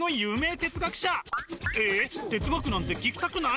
哲学なんて聞きたくない？